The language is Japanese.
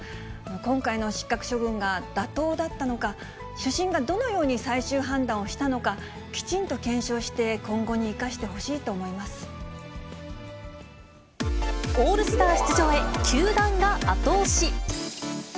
今回の失格処分が妥当だったのか、主審がどのように最終判断をしたのか、きちんと検証して、今後にオールスター出場へ、球団が後押し。